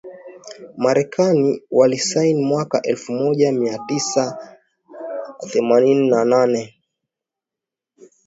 marekani walisaini mwaka elfu moja mia tisa themanini na nane